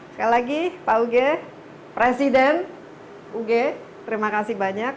sekali lagi pak uge presiden ug terima kasih banyak